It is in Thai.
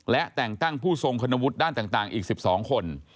และแต่งตั้งผู้ทรงคุณวุฒิด้านต่างอีก๑๒คน